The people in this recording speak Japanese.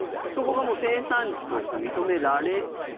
そこがもう生産地として認められる？